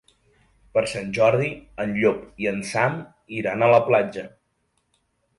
Per Sant Jordi en Llop i en Sam iran a la platja.